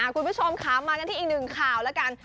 คุณผู้ชมค่ะมากันที่อีกหนึ่งข่าวแล้วกัน